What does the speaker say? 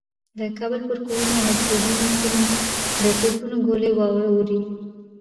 د کابل پر کورونو او هستوګنو سیمو د توپونو ګولۍ و اوروي.